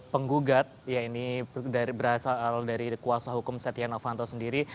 penggugat ya ini berasal dari kuasa hukum setia novanto sendiri